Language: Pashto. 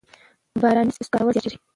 د باراني سیستم کارول زیاتېږي.